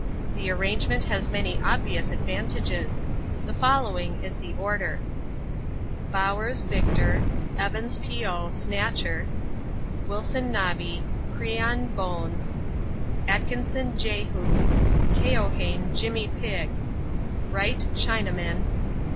The arrangement has many obvious advantages. The following is the order: Bowers Victor. Evans (P.O.) Snatcher. Wilson Nobby. Crean Bones. Atkinson Jehu. Keohane Jimmy Pigg. Wright Chinaman.